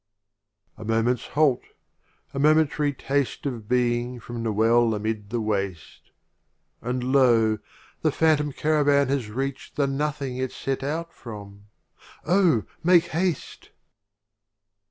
A Moment's Halt — a momentary %% taste Khayyam Of Being from the Well amid the Waste — And Lo! — the phantom Cara van has reach'd The Nothing it set out from — Oh, make haste